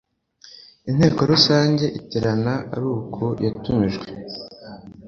inteko rusange iterana ari uko yatumijwe